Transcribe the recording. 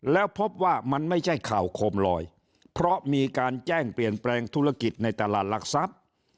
แล้วพบว่ามันไม่ใช่ข่าวโคมลอยเพราะมีการแจ้งเปลี่ยนแปลงธุรกิจในตลาดหลักทรัพย์